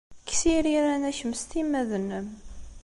Kkes iriran-a kemm s timmad-nnem!